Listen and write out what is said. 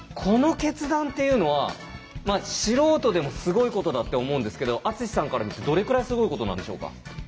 この決断っていうのは素人でもすごいことだって思うんですけど篤さんから見てどれくらいすごいことなんでしょうか？